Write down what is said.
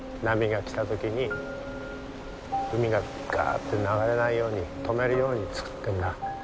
波が来た時に海ががあって流れないように止めるように造ってんだ。